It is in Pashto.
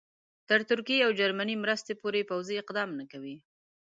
تر ترکیې او جرمني مرستې پورې پوځي اقدام نه کوي.